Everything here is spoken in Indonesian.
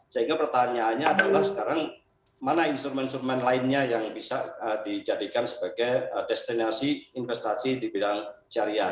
sehingga pertanyaannya adalah sekarang mana instrumen instrumen lainnya yang bisa dijadikan sebagai destinasi investasi di bidang syariah